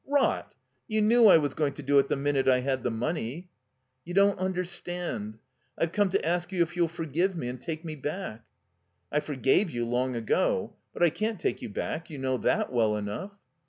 "Rot! You knew I was going to do it the minute I had the money." "You don't tmderstand, I've come to ask you if you'll forgive me — and take me back." "I forgave you long ago. But I can't take you back. You know that well enough."